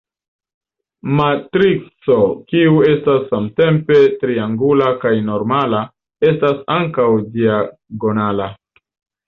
Matrico kiu estas samtempe triangula kaj normala, estas ankaŭ diagonala.